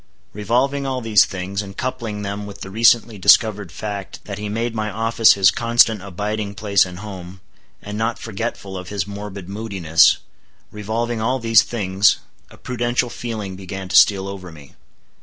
Revolving all these things, and coupling them with the recently discovered fact that he made my office his constant abiding place and home, and not forgetful of his morbid moodiness; revolving all these things, a prudential feeling began to steal over me.